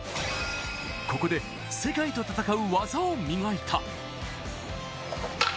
ここで世界と戦う技を磨いた。